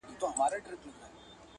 د خــړ خيبر په سيــنه تـورې کرښې